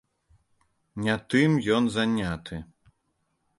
Не тым ён заняты.